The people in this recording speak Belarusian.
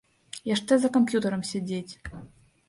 Яшчэ за камп'ютарам сядзець.